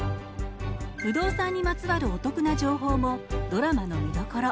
不動産にまつわるお得な情報もドラマの見どころ。